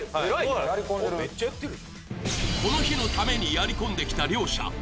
この日のためにやりこんできた両者。